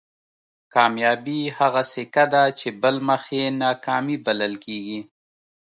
کامیابي هغه سکه ده چې بل مخ یې ناکامي بلل کېږي.